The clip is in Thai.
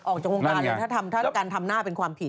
ออกจากวงการเลยถ้าการทำหน้าเป็นความผิด